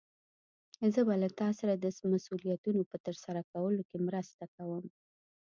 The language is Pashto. زه به له تا سره د مسؤليتونو په ترسره کولو کې مرسته کوم.